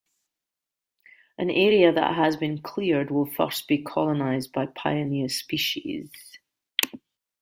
An area that has been cleared will first be colonized by pioneer species.